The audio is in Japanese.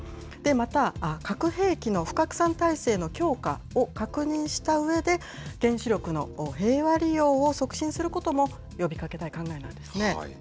また、核兵器の不拡散体制の強化を確認したうえで、原子力の平和利用を促進することも呼びかけたい考えなんですね。